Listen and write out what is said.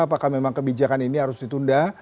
apakah memang kebijakan ini harus ditunda